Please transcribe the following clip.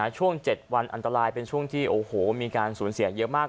ช่วง๗วันอันตรายเป็นช่วงที่โอ้โหมีการสูญเสียเยอะมาก